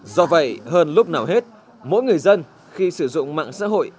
do vậy hơn lúc nào hết mỗi người dân khi sử dụng mạng xã hội